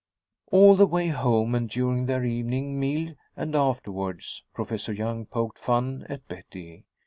All the way home and during their evening meal and afterwards, Professor Young poked fun at Betty.